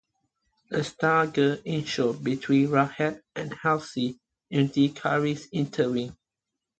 A struggle ensues between Ragheb and Halsey, until Kharis intervenes.